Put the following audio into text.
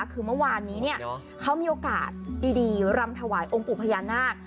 คือเมื่อวานนี้เนี่ยเขามีโอกาสดีรำถวายองค์ปู่พญานาค